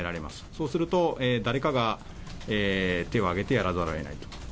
そうすると、誰かが手を挙げてやらざるをえないと。